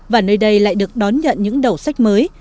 và nơi đây lại được đón nhận những đầu sách mới